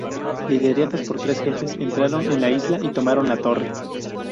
Liderados por tres jefes, entraron en la isla y tomaron la torre.